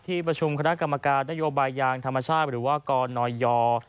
ประชุมคณะกรรมการนโยบายยางธรรมชาติหรือว่ากนย